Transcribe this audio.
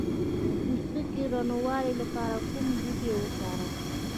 د پوستکي روڼوالي لپاره کوم بوټی وکاروم؟